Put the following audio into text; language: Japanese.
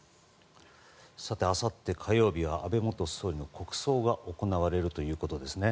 あさって火曜日は安倍元総理の国葬が行われるということですね。